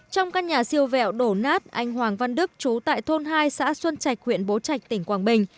trong căn nhà siêu vẹo đổ nát anh hoàng văn đức chú tại thôn hai xã xuân trạch huyện bố trạch tỉnh quảng bình